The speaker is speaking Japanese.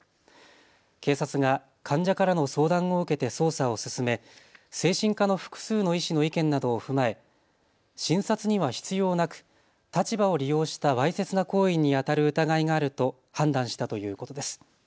警察が患者からの相談を受けて捜査を進め精神科の複数の医師の意見などを踏まえ診察には必要なく立場を利用したわいせつな行為にあたる疑いがあると判断したということです。